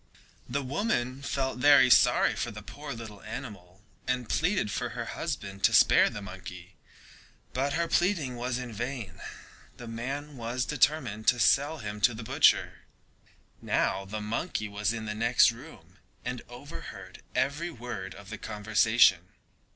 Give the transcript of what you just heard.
The woman felt very sorry for the poor little animal, and pleaded for her husband to spare the monkey, but her pleading was all in vain, the man was determined to sell him to the butcher. Now the monkey was in the next room and overheard every word of the conversation.